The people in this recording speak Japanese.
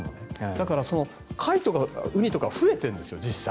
だから、貝とかウニとか増えてるんですよ、実際。